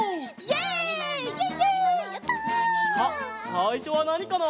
さいしょはなにかな？